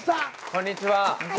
こんにちは。